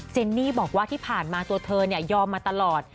เนนี่บอกว่าที่ผ่านมาตัวเธอยอมมาตลอด